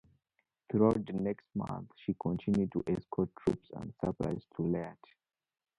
Throughout the next month she continued to escort troops and supplies to Leyte.